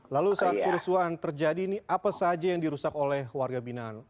lalu saat kerusuhan terjadi ini apa saja yang dirusak oleh warga binaan